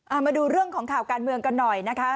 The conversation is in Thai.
เอามาดูเรื่องของข่าวการเมืองกันหน่อยนะคะ